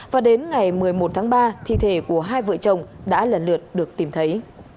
và đến ngày một mươi một tháng ba thi thể của hai vợ chồng đã lần lượt được tìm thấy